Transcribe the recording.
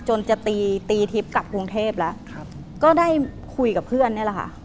จะตีตีทิพย์กลับกรุงเทพแล้วก็ได้คุยกับเพื่อนนี่แหละค่ะ